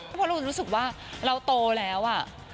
เพราะเรารู้สึกว่าเราโตแล้ว